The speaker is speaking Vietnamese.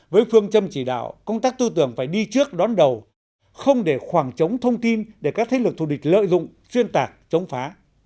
với phương châm chỉ đạo công tác tư tưởng phải đi trước đón đầu không để khoảng trống thông tin để các thế lực thù địch lợi dụng xuyên tạc chống phá